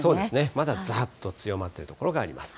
まだざーっと強まる所があります。